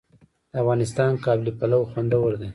د افغانستان قابلي پلاو خوندور دی